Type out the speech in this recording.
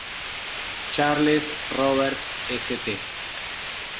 Charles Robert St.